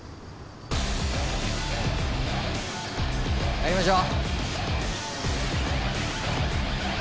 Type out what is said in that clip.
帰りましょう。